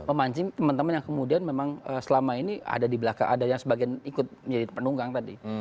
memancing teman teman yang kemudian memang selama ini ada di belakang ada yang sebagian ikut menjadi penunggang tadi